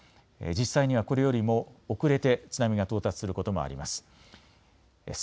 実際にはこれよりも遅れて津波が到達することもあります。